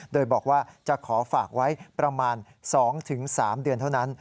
โดยบอกว่าจะขอฝากไว้ประมาณ๒๓เดือนเท่านั้น